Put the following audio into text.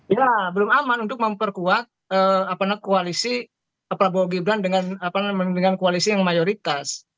ya belum aman untuk memperkuat koalisi prabowo gibran dengan koalisi yang mayoritas